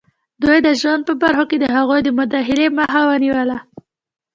دوی د ژوند په برخو کې د هغوی د مداخلې مخه ونیوله.